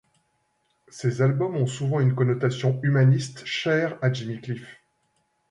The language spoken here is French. Ces albums ont souvent une connotation humaniste chère à Jimmy Cliff.